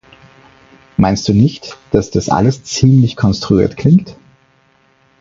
Meinst du nicht, dass das alles ziemlich konstruiert klingt?